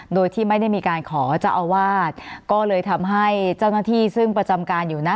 โดยที่ไม่ได้มีการขอเจ้าอาวาสก็เลยทำให้เจ้าหน้าที่ซึ่งประจำการอยู่นะ